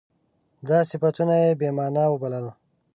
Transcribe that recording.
دا صفتونه یې بې معنا وبلل.